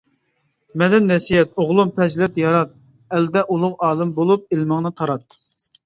مەندىن نەسىھەت ئوغلۇم پەزىلەت يارات، ئەلدە ئۇلۇغ ئالىم بولۇپ ئىلمىڭنى تارات.